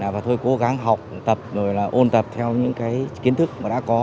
và thôi cố gắng học tập rồi là ôn tập theo những kiến thức mà đã có